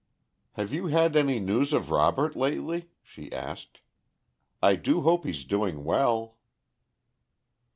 "Have you had any news of Robert lately?" she asked; "I do hope he's doing well."